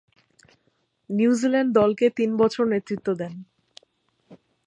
New Zealand দলকে তিন বছর নেতৃত্ব দেন।